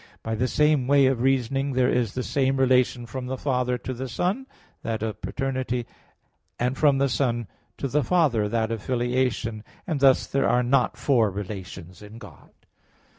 By the same way of reasoning there is the same relation from the Father to the Son, that of paternity, and from the Son to the Father, that of filiation; and thus there are not four relations in God.